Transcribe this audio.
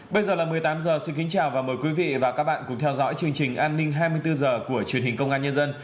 bây giờ là một mươi tám h xin kính chào và mời quý vị và các bạn cùng theo dõi chương trình an ninh hai mươi bốn h của truyền hình công an nhân dân